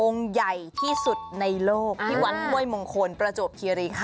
ใหญ่ที่สุดในโลกที่วัดห้วยมงคลประจวบคีรีค่ะ